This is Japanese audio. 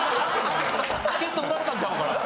チケット売られたんちゃうかな。